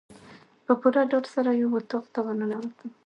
په پوره ډاډ سره یو اطاق ته ورننوتم.